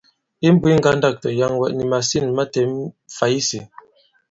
Imbūs ŋgandâk tɔ̀yaŋwɛ, nì màsîn ma têm fày isī.